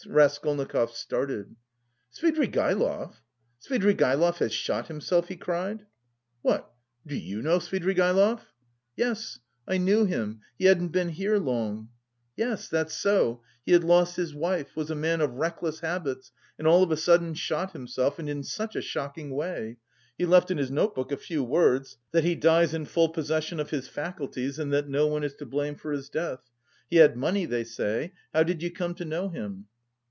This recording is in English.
Raskolnikov started. "Svidrigaïlov! Svidrigaïlov has shot himself!" he cried. "What, do you know Svidrigaïlov?" "Yes... I knew him.... He hadn't been here long." "Yes, that's so. He had lost his wife, was a man of reckless habits and all of a sudden shot himself, and in such a shocking way.... He left in his notebook a few words: that he dies in full possession of his faculties and that no one is to blame for his death. He had money, they say. How did you come to know him?"